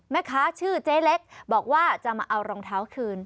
แม่ค้าชื่อเจ๊เล็กบอกว่าจะมาเอารองเท้าคืน